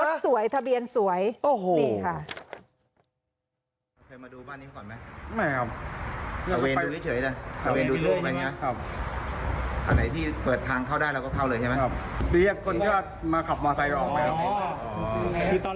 รถสวยทะเบียนสวยนี่ค่ะ